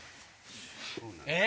えっ？